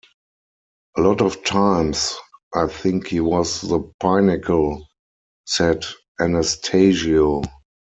"A lot of times, I think he was the pinnacle," said Anastasio.